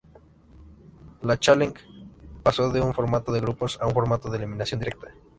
La Challenge pasó de un formato de grupos a un formato de eliminación directa.